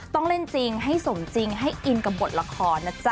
ต้องเล่นจริงให้สมจริงให้อินกับบทละครนะจ๊ะ